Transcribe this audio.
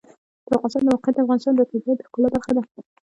د افغانستان د موقعیت د افغانستان د طبیعت د ښکلا برخه ده.